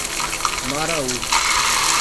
Maraú